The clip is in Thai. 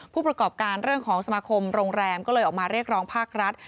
ผู้ประกอบการเรื่องของสมาคมโรงแรมก็เลยออกมาเรียกร้องภาครัฐ